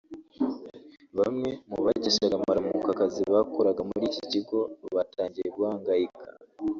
Bamwe mu bakeshaga amaramuko akazi bakoraga muri iki kigo batangiye guhangayika